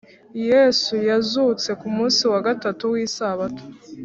yesu yazutse ku munsi wa gatatu w’isabato